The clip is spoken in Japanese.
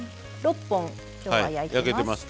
６本今日は焼いてます。